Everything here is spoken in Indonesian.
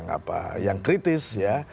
gak ada masalah